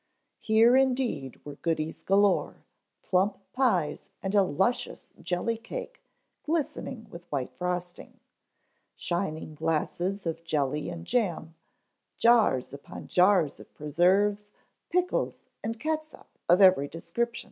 Here indeed were goodies galore, plump pies and a luscious jelly cake glistening with white frosting; shining glasses of jelly and jam, jars upon jars of preserves, pickles and catsup of every description.